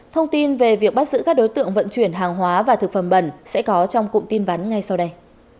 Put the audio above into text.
thông tin về việc bắt giữ các đối tượng vận chuyển hàng hóa và thực phẩm bẩn sẽ có trong cụm tin vắn ngay sau đây